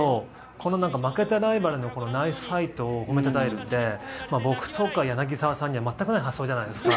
この負けたライバルのナイスファイトを褒めたたえるとか僕とか柳澤さんには全くない発想じゃないですか。